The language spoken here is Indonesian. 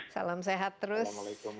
salam sehat terus